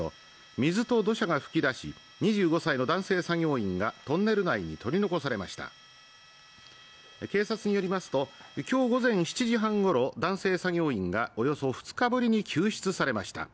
水と土砂が噴き出し２５歳の男性作業員がトンネル内に取り残されました警察によりますときょう午前７時半ごろ男性作業員がおよそ２日ぶりに救出されました